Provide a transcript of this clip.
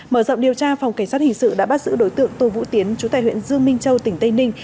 mở rộng điều tra phòng cảnh sát hình sự đã bắt giữ đối tượng tù vũ tiến trú tại huyện dương minh châu tỉnh tây ninh